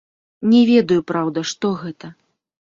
Не ведаю, праўда, што гэта.